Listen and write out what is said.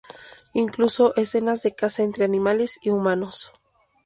Incluso escenas de caza entre animales y humanos.